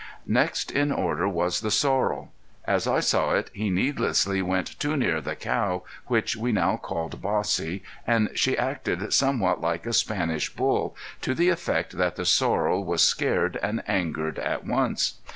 Next in order was the sorrel. As I saw it, he heedlessly went too near the cow, which we now called Bossy, and she acted somewhat like a Spanish Bull, to the effect that the sorrel was scared and angered at once.